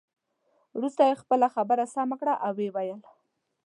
وروسته یې خپله خبره سمه کړه او ويې ویل.